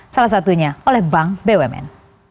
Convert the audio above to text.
salah satunya oleh bank bumn